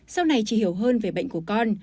sau này chị hiểu hơn về bệnh của con